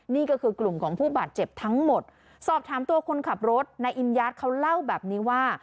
นี่ก็คือกลุ่มของผู้บาดเจ็บทั้งหมดสอบถามตัวคนขับรถนายอินญาติเขาเล่าแบบนี้ว่า